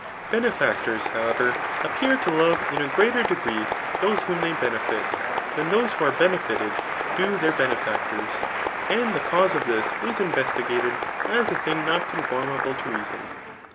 Benefactors, however, appear to love in a greater degree those whom they benefit, than those who are benefited do their benefactors, and the cause of this is investigated as a thing not conformable to reason.